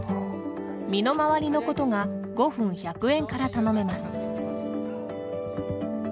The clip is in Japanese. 身の回りのことが５分１００円から頼めます。